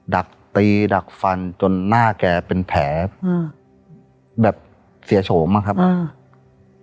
ดักตีดักฟันจนหน้าแกเป็นแผลอืมแบบเสียโฉมอะครับอ่า